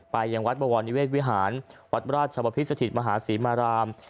ยังวัดบวรนิเวศวิหารวัดราชบพิษสถิตมหาศรีมาราม